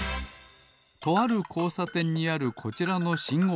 とあるこうさてんにあるこちらのしんごうき。